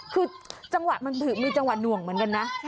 คือจังหวะมันมีจังหวะหน่วงเหมือนกันนะ